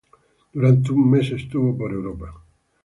Durante un mes estuvo por Europa.